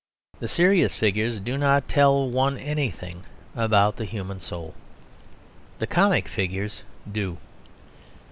The serious figures do not tell one anything about the human soul. The comic figures do.